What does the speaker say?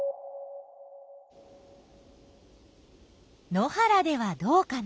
野原ではどうかな。